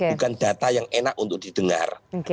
bukan data yang enak untuk didengar